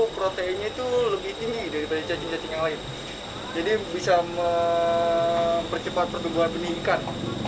protein itu lebih tinggi dari cacing cacing yang lain jadi bisa mempercepat pertumbuhan peningkan